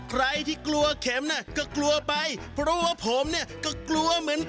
ใครที่กลัวเข็มน่ะก็กลัวไปเพราะว่าผมเนี่ยก็กลัวเหมือนกัน